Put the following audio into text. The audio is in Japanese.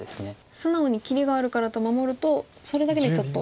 素直に切りがあるからと守るとそれだけでちょっと。